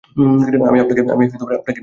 আমি আপনাকে কোনো দোষ দিচ্ছি না।